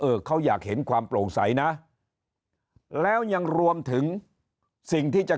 เขาอยากเห็นความโปร่งใสนะแล้วยังรวมถึงสิ่งที่จะ